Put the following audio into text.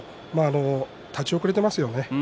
立ち遅れていますよね